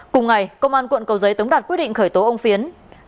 cùng ngày công an quận cầu giấy tống đạt quyết định khởi tố ông phiến